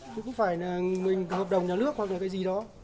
chứ không phải là mình hợp đồng nhà nước hoặc là cái gì đó